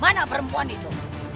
mana perempuan itu